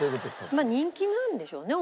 まあ人気なんでしょうね